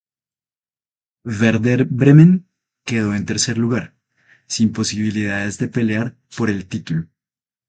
Werder Bremen quedó en tercer lugar, sin posibilidades de pelear por el título.